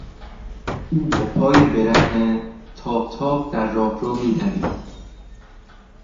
او با پای برهنه تاپ تاپ در راهرو میدوید.